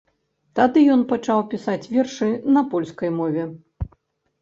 Тады ён пачаў пісаць вершы на польскай мове.